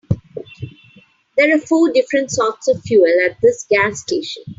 There are four different sorts of fuel at this gas station.